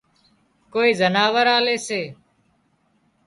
ڪوئي زناور آلي سي